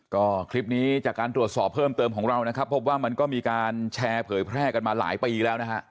ก็คลิปนี้จากการตรวจสอบเพิ่มเติมของเรานะครับพบว่ามันก็มีการแชร์เผยแพร่กันมาหลายปีแล้วนะฮะ